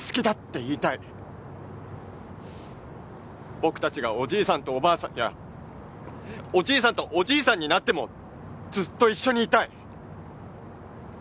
僕たちがおじいさんとおばあさんやおじいさんとおじいさんになってもずっと一緒にいたい。